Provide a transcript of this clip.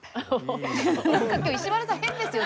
なんか今日石丸さん変ですよ